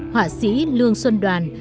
hỏa sĩ lương xuân đoàn